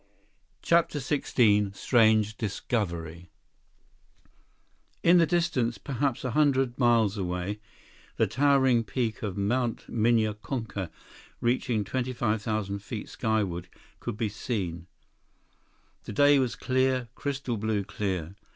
128 CHAPTER XVI Strange Discovery In the distance, perhaps a hundred miles away, the towering peak of Mt. Minya Konka, reaching 25,000 feet skyward, could be seen. The day was clear, crystal blue clear.